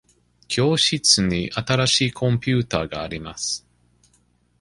教室に新しいコンピューターがあります。